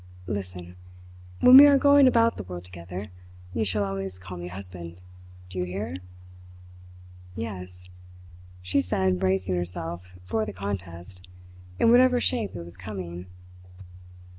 "Listen. When we are going about the world together, you shall always call me husband. Do you hear?" "Yes," she said bracing herself for the contest, in whatever shape it was coming.